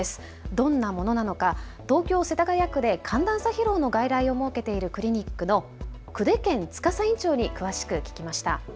どんなものなのか、東京世田谷区で寒暖差疲労の外来を設けているクリニックの久手堅司院長に詳しく聞きました。